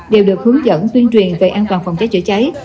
đều được hướng dẫn tuyên truyền về an toàn phòng cháy chữa cháy